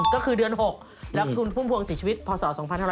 ก็คือเดือน๖แล้วคุณพุ่มพวงสิทธิวิตพอสอ๒๕๓๕